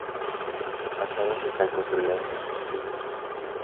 Las fachadas están construidas en sillería.